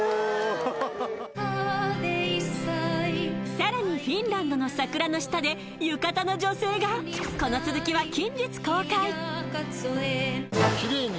更にフィンランドの桜の下で浴衣の女性がこの続きは近日公開。